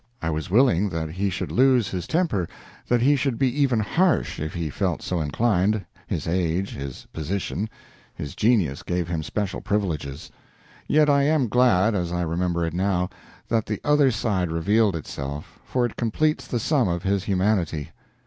I was willing that he should lose his temper, that he should be even harsh if he felt so inclined his age, his position, his genius gave him special privileges. Yet I am glad, as I remember it now, that the other side revealed itself, for it completes the sum of his humanity.